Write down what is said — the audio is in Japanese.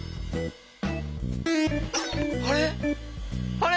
あれ？